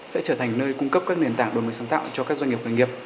sẽ trở thành nơi cung cấp các nền tảng đổi mới sáng tạo cho các doanh nghiệp khởi nghiệp